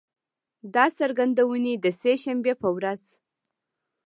دا څرګندونې د سه شنبې په ورځ